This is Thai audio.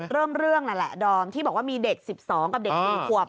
จุดเริ่มเรื่องน่ะแหละดอมที่บอกว่ามีเด็กสิบสองกับเด็กสี่ขวบ